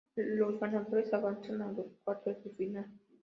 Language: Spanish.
Los ganadores avanzan a los cuartos de final.